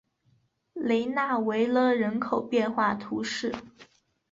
雷讷维勒人口变化图示